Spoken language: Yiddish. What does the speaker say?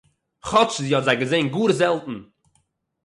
כאָטש זי האָט זיי געזען גאָר זעלטן